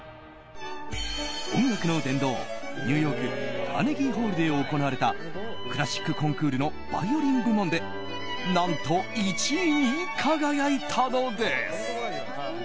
音楽の殿堂、ニューヨークカーネギーホールで行われたクラシックコンクールのバイオリン部門で何と１位に輝いたのです。